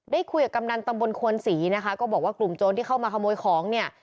ได้คุยกับกำนันตำบลควนศรีนะคะก็บอกว่ากลุ่มโจรที่เข้ามาขโมยของเนี่ย